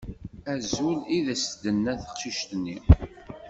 Azul, i d as-d-tenna teqcict-nni.